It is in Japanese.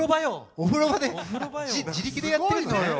お風呂場で自力でやってるのね。